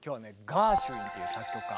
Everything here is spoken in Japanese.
ガーシュウィンっていう作曲家。